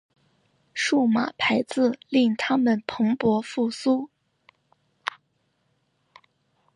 数码排字令它们蓬勃复苏。